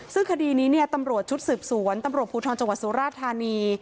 ซึ่งคดีนี้ตำรวจชุดสืบสวนตำรวจภูทรจังหวัดสุราธานี